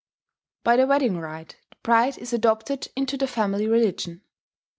By the wedding rite the bride is adopted into the family religion.